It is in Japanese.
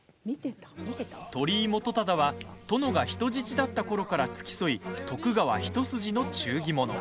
鳥居元忠は殿が人質だったころから付き添い徳川一筋の忠義者。